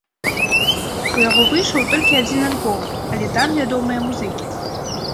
У яго выйшаў толькі адзін альбом, але там вядомыя музыкі.